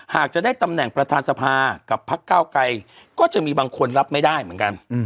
หากจะได้ตำแหน่งประธานสภากับพักเก้าไกรก็จะมีบางคนรับไม่ได้เหมือนกัน